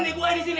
saya di sini